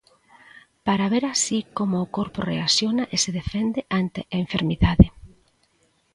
Para ver así como o corpo reacciona e se defende ante a enfermidade.